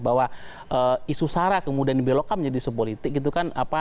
bahwa isu sarah kemudian dibelokkan menjadi isu politik